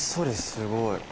すごい。